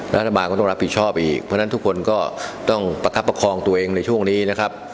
รัฐบาลก็ต้องรับผิดชอบอีกเพราะฉะนั้นทุกคนก็ต้องประคับประคองตัวเองในช่วงนี้นะครับ